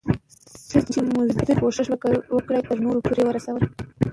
څه چي مو زده دي، کوښښ وکړه ترنور پورئې ورسوې.